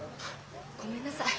ごめんなさい。